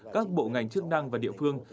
các bộ ngành chức năng và địa phương